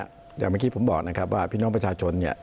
เดี๋ยวเมื่อกี้ผมบอกนะครับว่าพี่น้องประชาชนเนี่ย